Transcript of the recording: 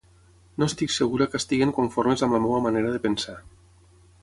No estic segura que estiguen conformes amb la meua manera de pensar.